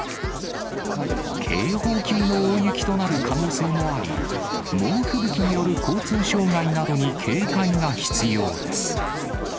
警報級の大雪となる可能性もあり、猛吹雪による交通障害などに警戒が必要です。